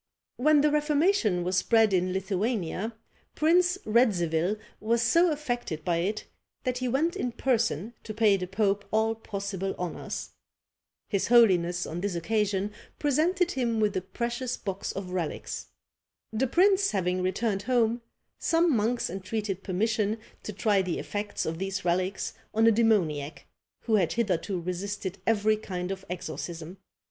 When the Reformation was spread in Lithuania, Prince Radzivil was so affected by it, that he went in person to pay the pope all possible honours. His holiness on this occasion presented him with a precious box of relics. The prince having returned home, some monks entreated permission to try the effects of these relics on a demoniac, who had hitherto resisted every kind of exorcism.